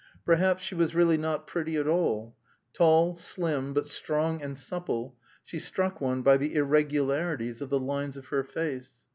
Perhaps she was really not pretty at all. Tall, slim, but strong and supple, she struck one by the irregularities of the lines of her face.